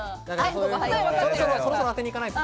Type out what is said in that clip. そろそろ当てに行かないと。